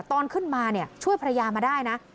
ตอนขึ้นมาช่วยภรรยามาได้นะ